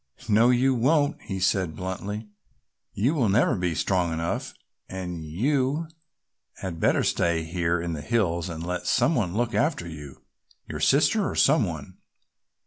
"No you won't,"' he said bluntly, "you will never be strong enough and you had better stay here in the hills and let some one look after you, your sister or some one.